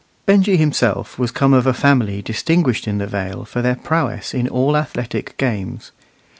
Benjy himself was come of a family distinguished in the Vale for their prowess in all athletic games.